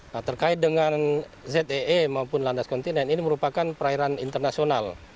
nah terkait dengan zee maupun landas kontinen ini merupakan perairan internasional